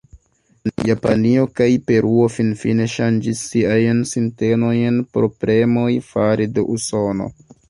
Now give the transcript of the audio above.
Japanio kaj Peruo finfine ŝanĝis siajn sintenojn pro premoj fare de Usono.